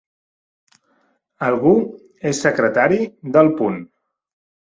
Algú és secretari d'El Punt.